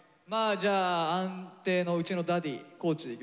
じゃあ安定のうちのダディー地でいきます。